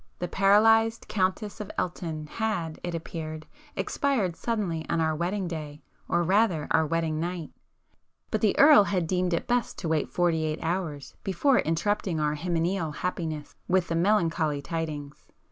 The paralysed Countess of Elton had, it appeared, expired suddenly on our wedding day, or rather our wedding night,—but the Earl had deemed it best to wait forty eight hours before interrupting our hymeneal happiness with the melancholy tidings.